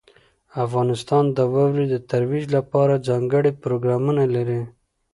افغانستان د واورې د ترویج لپاره ځانګړي پروګرامونه لري.